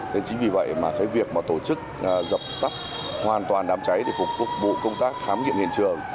thế chính vì vậy mà cái việc mà tổ chức dập tắt hoàn toàn đám cháy để phục vụ công tác khóa nghiệp hiện trường